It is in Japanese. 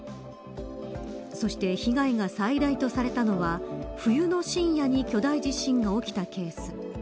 そして被害が最大とされたのは冬の深夜に巨大地震が起きたケース。